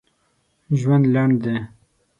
ژوند لنډ دی